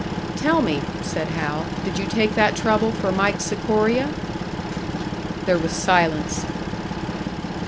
"Tell me," said Hal, "did you take that trouble for Mike Sikoria?" There was silence.